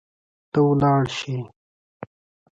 ته ولاړ شي